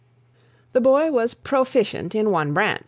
"The boy was proficient in one branch; viz.